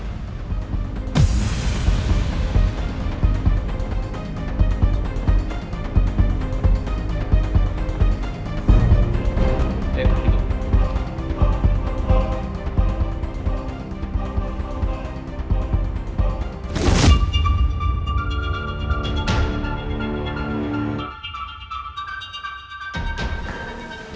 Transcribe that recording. saya pergi dulu